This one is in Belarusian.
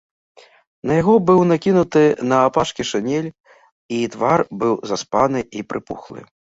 На яго быў накінуты наапашкі шынель, і твар быў заспаны і прыпухлы.